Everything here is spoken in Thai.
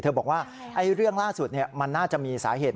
บอกว่าเรื่องล่าสุดมันน่าจะมีสาเหตุ